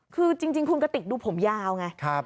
คือจริงคุณกติกดูผมยาวไง